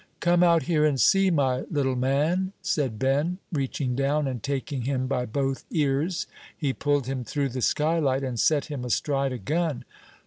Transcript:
"'Come out here and see, my little man,' said Ben, reaching down, and taking him by both ears, he pulled him through the skylight, and set him astride a gun.